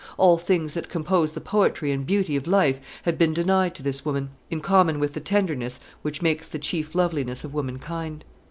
All things that compose the poetry and beauty of life had been denied to this woman, in common with the tenderness which makes the chief loveliness of womankind.